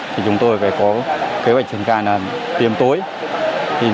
thì chúng tôi phải có kế hoạch trình càng là tiêm tối